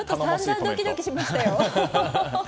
さんざんドキドキしましたよ！